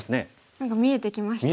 何か見えてきましたね。